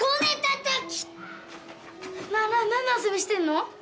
なあなあなんの遊びしてるの？